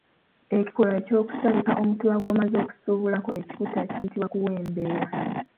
Ekikolwa eky’okusabika omutuba gw’omaze okusubulako ekikuta kiyitibwa kuwembera.